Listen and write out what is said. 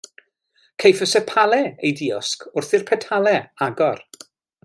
Caiff y sepalau eu diosg wrth i'r petalau agor.